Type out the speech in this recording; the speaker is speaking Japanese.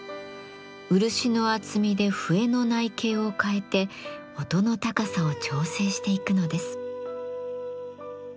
漆の厚みで笛の内径を変えて音の高さを調整していくのです。